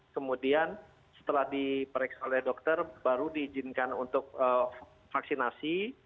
kemudian setelah diperiksa oleh dokter baru diizinkan untuk vaksinasi